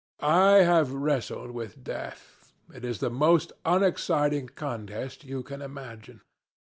I have wrestled with death. It is the most unexciting contest you can imagine.